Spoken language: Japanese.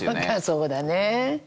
そうだね。